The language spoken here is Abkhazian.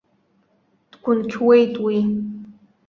Дгәынқьуеит уи.